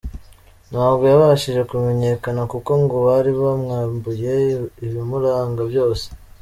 Ntabwo yabashije kumenyekana kuko ngo bari bamwambuye ibimuranga byose.